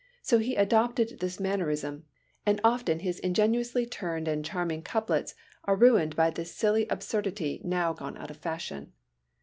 So he adopted this mannerism, and often his ingeniously turned and charming couplets are ruined by this silly absurdity now gone out of fashion.